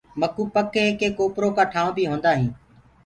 مڪوُ پڪ هي ڪي ڪوپرو ڪآ ٺآيونٚ بي هوندآ هينٚ۔